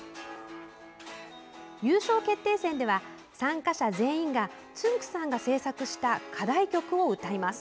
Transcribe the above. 優勝決定戦では、参加者全員がつんく♂さんが制作した課題曲を歌います。